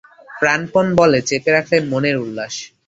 প্রাণপণ বলে চেপে রাখলে মনের উল্লাস।